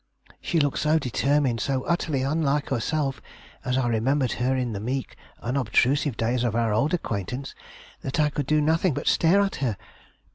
She looked so determined, so utterly unlike herself, as I remembered her in the meek, unobtrusive days of our old acquaintance, that I could do nothing but stare at her.